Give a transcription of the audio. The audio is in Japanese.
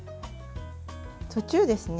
途中ですね